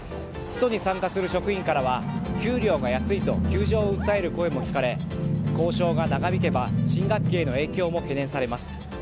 ストに参加する職員からは給料が安いと窮状を訴える声も聞かれ交渉が長引けば新学期への影響も懸念されます。